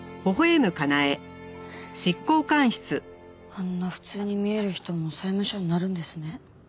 あんな普通に見える人も債務者になるんですね。